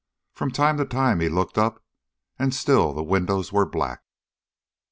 From time to time he looked up, and still the windows were black.